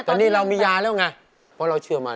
อเจมส์แต่นี่เรามียาแล้วไงเพราะเราเชื่อมัน